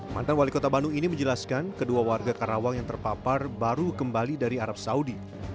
mantan wali kota bandung ini menjelaskan kedua warga karawang yang terpapar baru kembali dari arab saudi